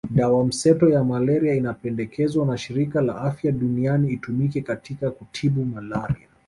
Dawa mseto ya malaria inapendekezwa na Shirika la Afya Duniani itumike katika kutibu malaria